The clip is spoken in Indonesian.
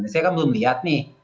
saya kan belum lihat nih